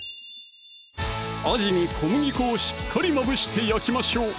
あじに小麦粉をしっかりまぶして焼きましょう